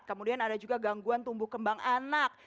kemudian ada juga gangguan tumbuh kembang anak